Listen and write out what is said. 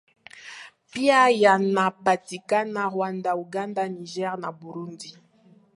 pia yanapatikana Rwanda Uganda Niger na Burundi